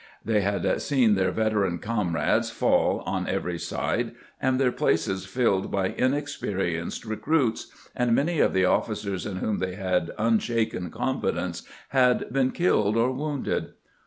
They had seen their veteran comrades fall on every side, and their places filled by inexperienced recruits, and many of the officers in whom they had unshaken confidence had been killed or wounded.